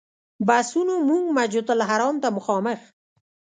بسونو موږ مسجدالحرام ته مخامخ.